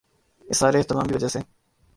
اس سارے اہتمام کی وجہ سے